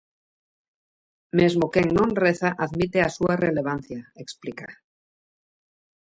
Mesmo quen non reza admite a súa relevancia, explica.